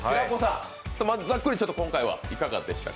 ざっくり今回はいかがでした？